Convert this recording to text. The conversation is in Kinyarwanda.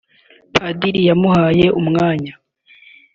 padiri yamuhaye umwanya